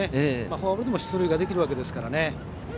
フォアボールでも出塁ができるわけですからね。